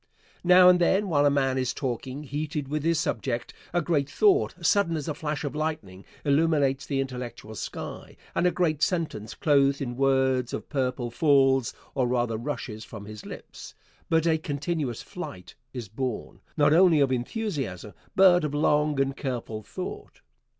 Now and then, while a man is talking, heated with his subject, a great thought, sudden as a flash of lightning, illumines the intellectual sky, and a great sentence clothed in words of purple, falls, or rather rushes, from his lips but a continuous flight is born, not only of enthusiasm, but of long and careful thought.